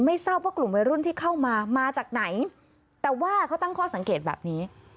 ทราบว่ากลุ่มวัยรุ่นที่เข้ามามาจากไหนแต่ว่าเขาตั้งข้อสังเกตแบบนี้